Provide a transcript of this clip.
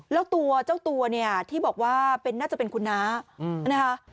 แล้วตัวเจ้าตัวเนี่ยที่บอกว่าน่าจะเป็นคุณน้านะคะ